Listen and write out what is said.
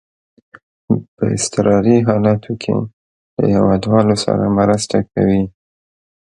په اضطراري حالاتو کې له هیوادوالو سره مرسته کوي.